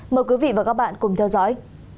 mời quý vị và các bạn cùng theo dõi